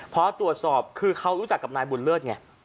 พอตรวจสอบคือเขารู้จักกับนายบุญเลิศไง